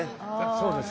「そうですね」